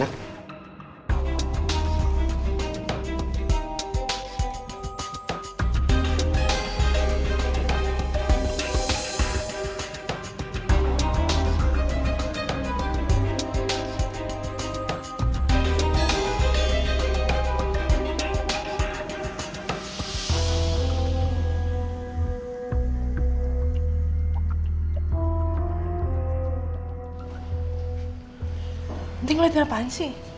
nanti ngeliatin apaan sih